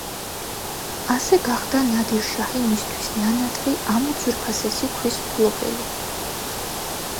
ასე გახდა ნადირ–შაჰი მისთვის ნანატრი ამ უძვირფასესი ქვის მფლობელი.